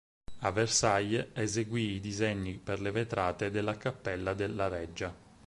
A Versailles eseguì i disegni per le vetrate della cappella della Reggia.